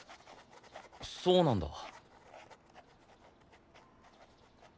そうなんだ。